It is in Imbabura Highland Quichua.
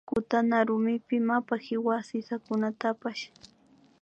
Kutana rumipi mapa kiwa sisakunatapsh